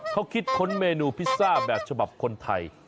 เขาคิดค้นเมนูพิซซ่าแบบฉบับคนไทย